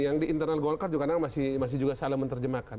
yang di internal golkar juga kadang masih juga salah menerjemahkan